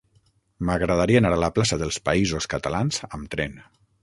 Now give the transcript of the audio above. M'agradaria anar a la plaça dels Països Catalans amb tren.